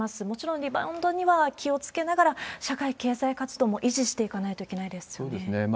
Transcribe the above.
もちろんリバウンドには気をつけながら、社会経済活動も維持していかないといけないですよね。